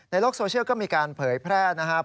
ในโลกโซเชียลก็มีการเผยแพร่นะครับ